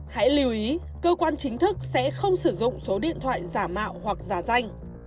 hãy lưu ý cơ quan chính thức sẽ không sử dụng số điện thoại giả mạo hoặc giả danh